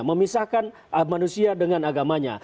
memisahkan manusia dengan agamanya